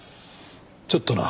ちょっとな。